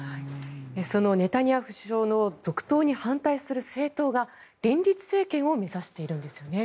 そのネタニヤフ首相の続投に反対する政党が連立政権を目指しているんですよね。